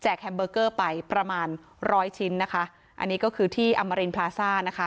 แฮมเบอร์เกอร์ไปประมาณร้อยชิ้นนะคะอันนี้ก็คือที่อมรินพลาซ่านะคะ